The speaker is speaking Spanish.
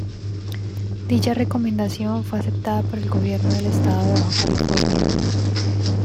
Dicha recomendación fue aceptada por el Gobierno del Estado de Baja California.